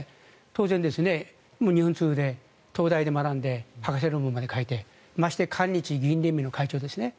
当然、日本通で東大で学んで博士論文まで書いてまして韓日議員連盟の会長ですね。